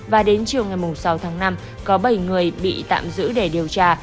và đến chiều ngày sáu tháng năm có bảy người bị tạm giữ để điều tra